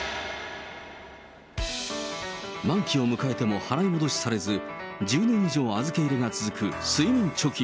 満期を迎えても払い戻しされず、１０年以上預け入れが続く睡眠貯金。